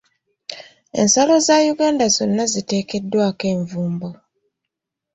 Ensalo za Uganda zonna ziteekeddwako envumbo.